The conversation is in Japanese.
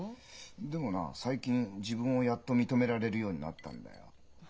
でもな最近自分をやっと認められるようになったんだよ。